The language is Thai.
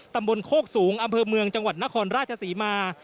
ตำบลโคกสูงอำเภอเมืองจังหวัดนครราชศรีมา